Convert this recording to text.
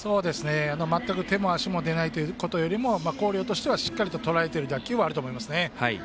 全く手も足も出ないということよりも広陵としては、しっかりとらえてる打球はあると思います。